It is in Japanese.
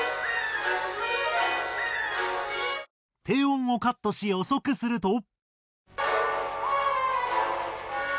低音をカットし遅くすると。